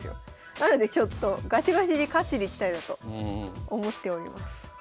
なのでちょっとガチガチに勝ちにいきたいなと思っております。